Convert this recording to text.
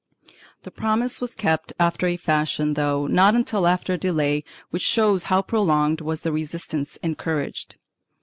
The promise was kept after a fashion, though not until after a delay which shows how pro longed was the resistance encountered.